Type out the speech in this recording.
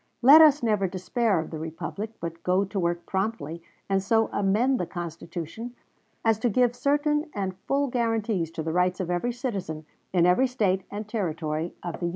"Let us never despair of the republic, but go to work promptly and so amend the Constitution as to give certain and full guarantees to the rights of every citizen, in every State and Territory of the Union."